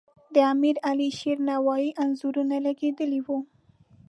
د امیر علیشیر نوایي انځورونه لګیدلي وو.